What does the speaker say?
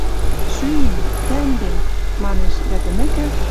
«Шӱмем, тӓнгем!» — манеш. Дӓ тӹмӹкӹ